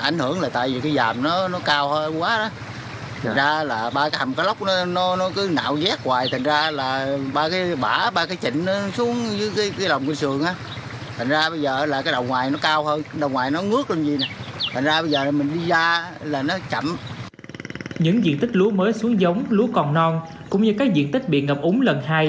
những diện tích lúa mới xuống giống lúa còn non cũng như các diện tích bị ngập úng lần hai